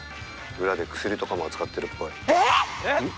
裏で薬とかも扱ってるっぽい。